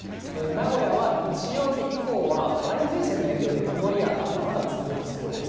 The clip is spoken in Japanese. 名古屋は日曜日以降は梅雨前線の影響で曇りや雨、まだ続きそうです。